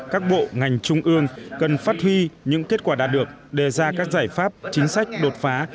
các bộ ngành trung ương cần phát huy những kết quả đạt được đề ra các giải pháp chính sách đột phá